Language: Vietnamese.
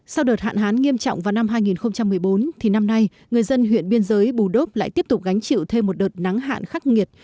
sau đợt hạn hán nghiêm trọng vào năm hai nghìn một mươi bốn thì năm nay người dân huyện biên giới bù đốp lại tiếp tục gánh chịu thêm một đợt nắng hạn khắc nghiệt